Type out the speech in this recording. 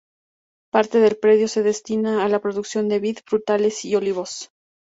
Parte del predio se destina a la producción de vid, frutales y olivos.